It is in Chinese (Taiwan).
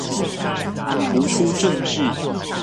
突出政治